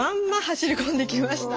走り込んできました。